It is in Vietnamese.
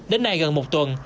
đến nay gần một tuần